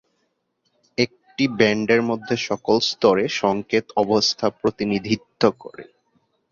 একটি ব্যান্ডের মধ্যে সকল স্তরে সংকেত অবস্থা প্রতিনিধিত্ব করে।